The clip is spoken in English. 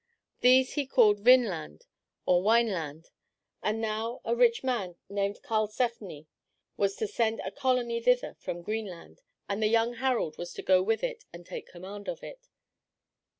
These he called Vinland or Wine land, and now a rich man named Karlsefne was to send a colony thither from Greenland, and the young Harald was to go with it and take command of it.